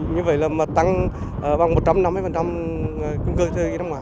như vậy là tăng bằng một trăm năm mươi cung cư